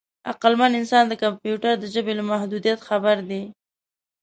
عقلمن انسان د کمپیوټر د ژبې له محدودیت خبر دی.